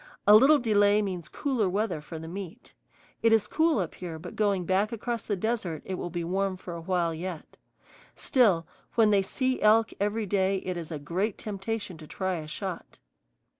A little delay means cooler weather for the meat. It is cool up here, but going back across the desert it will be warm for a while yet. Still, when they see elk every day it is a great temptation to try a shot.